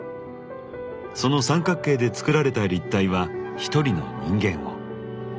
その三角形で作られた立体は一人の人間を。